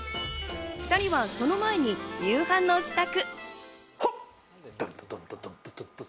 ２人はその前に夕飯の支度。